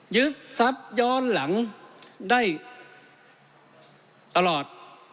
ยึดทรัพย์ย้อนหลังได้ตลอด